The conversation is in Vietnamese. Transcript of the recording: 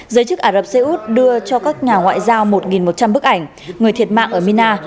giới chức ả rập xê út đưa cho các nhà ngoại giao một một trăm linh bức ảnh người thiệt mạng ở mina